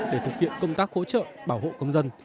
để thực hiện công tác hỗ trợ bảo hộ công dân